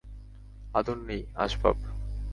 আদর নেই, আসবাব!